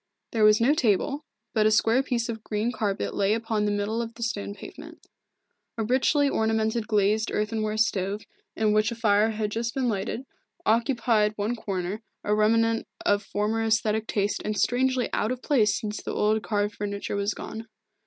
There was no table, but a square piece of green carpet lay upon the middle of the stone pavement. A richly ornamented glazed earthenware stove, in which a fire had just been lighted, occupied one corner, a remnant of former aesthetic taste and strangely out of place since the old carved furniture was gone.